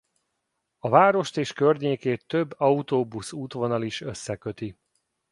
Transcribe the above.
A várost és környékét több autóbusz útvonal is összeköti.